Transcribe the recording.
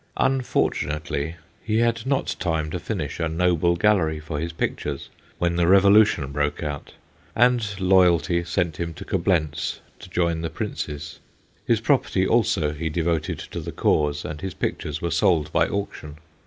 Unfortunately, he had not time to finish a noble gallery for his pictures, when the Be volution broke out, and loyalty sent him to Coblentz to join the princes. His property also he devoted to the cause, and his pictures were sold by auction.